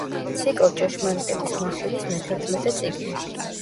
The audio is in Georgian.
ციკლ „ჭეშმარიტების მახვილის“ მეთერთმეტე წიგნი.